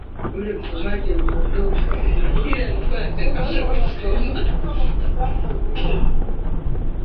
mara nyingi bila kujua Mzigo huo ni urithi wa mahusiano magumu